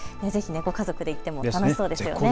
ご家族で行っても楽しそうですよね。